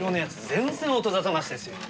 全然音沙汰なしですよ。